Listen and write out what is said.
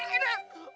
aduh apaan ini